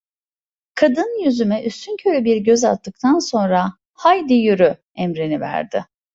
Kadın yüzüme üstünkörü bir göz attıktan sonra: "Hadi yürü!" emrini verdi.